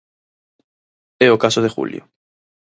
É o caso de Julio.